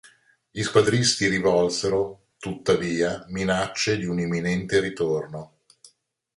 Gli squadristi rivolsero, tuttavia, minacce di un imminente ritorno.